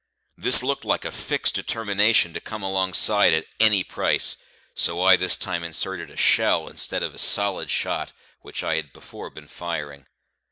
This looked like a fixed determination to come alongside at any price, so I this time inserted a shell instead of a solid shot, which I had before been firing.